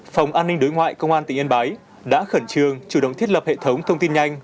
phòng an ninh đối ngoại công an tỉnh yên bái đã khẩn trương chủ động thiết lập hệ thống thông tin nhanh